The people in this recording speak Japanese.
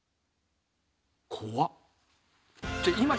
怖っ。